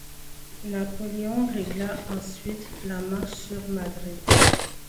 Napoléon régla ensuite la marche sur Madrid.